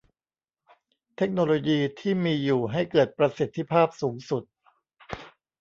เทคโนโลยีที่มีอยู่ให้เกิดประสิทธิภาพสูงสุด